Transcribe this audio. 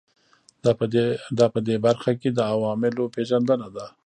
دا په دې برخه کې د عواملو پېژندنه ده.